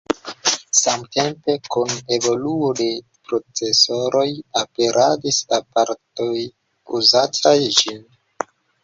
Samtempe kun evoluo de procesoroj aperadis aparatoj uzataj ĝin.